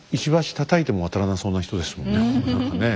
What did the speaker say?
たたいても渡らなそうな人ですもんね何かね。